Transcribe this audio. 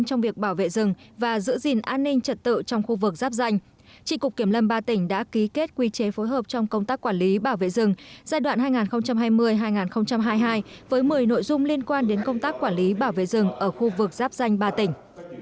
trong việc bảo vệ rừng và giữ gìn an ninh trật tự trong khu vực giáp danh trị cục kiểm lâm ba tỉnh đã ký kết quy chế phối hợp trong công tác quản lý bảo vệ rừng giai đoạn hai nghìn hai mươi hai nghìn hai mươi hai với một mươi nội dung liên quan đến công tác quản lý bảo vệ rừng ở khu vực giáp danh ba tỉnh